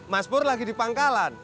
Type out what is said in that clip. mas bur lagi di pangkalan